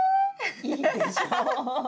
いいでしょう？